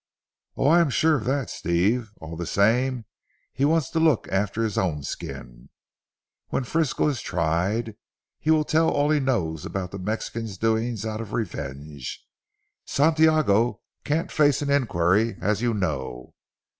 "Oh, I am sure of that Steve. All the same he wants to look after his own skin. When Frisco is tried, he will tell all he knows about the Mexican's doings out of revenge. Santiago can't face an inquiry as you know.